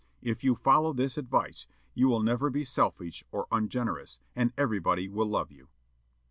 If you follow this advice, you will never be selfish or ungenerous, and everybody will love you."